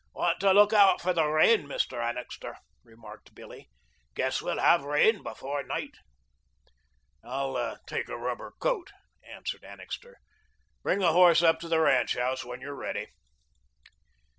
"Want to look out for the rain, Mr. Annixter," remarked Billy. "Guess we'll have rain before night." "I'll take a rubber coat," answered Annixter. "Bring the horse up to the ranch house when you're ready."